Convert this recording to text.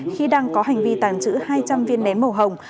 khi đang có hành vi tàng trữ hai trăm linh viên nén màu hồng